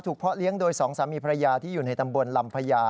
เพาะเลี้ยงโดยสองสามีภรรยาที่อยู่ในตำบลลำพญา